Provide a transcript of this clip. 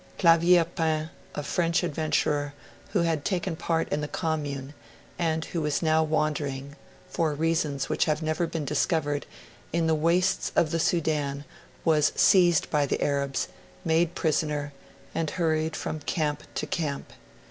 Clavier Pain, a French adventurer, who had taken part in the Commune, and who was now wandering, for reasons which have never been discovered, in the wastes of the Sudan, was seized by the Arabs, made prisoner, and hurried from camp to camp.